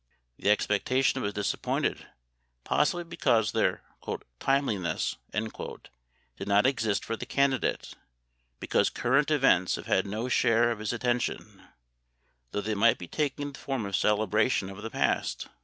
The expectation was disappointed, possibly because their "timeliness" did not exist for the candidate; because current events have had no share of his attention, though they might be taking the form of celebration of the past.